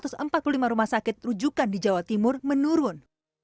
aduh kebanyakan tempat tidur di satu ratus empat puluh lima rumah sakit rujukan di jawa timur menurun